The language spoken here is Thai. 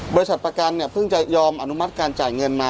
บริษัทประกันเนี่ยเพิ่งจะยอมอนุมัติการจ่ายเงินมา